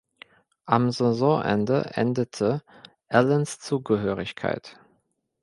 Am Saisonende endete Allens Zugehörigkeit.